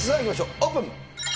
オープン。